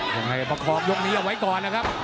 ต้องให้ประคอบยกนี้ออกไว้ก่อนนะครับ